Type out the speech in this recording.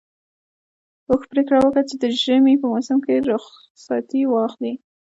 اوښ پرېکړه وکړه چې د ژمي په موسم کې رخصتي واخلي.